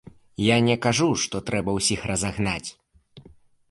Я не кажу, што трэба ўсіх разагнаць.